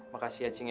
makasih ya cing ya